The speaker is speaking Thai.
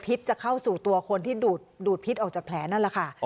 จะเข้าสู่ตัวคนที่ดูดพิษออกจากแผลนั่นแหละค่ะ